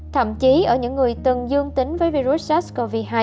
thậm chí ở những người từng dương tính với virus sars cov hai